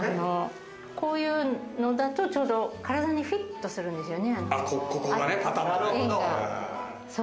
こういうのだと、ちょうど体にフィットするんですよね。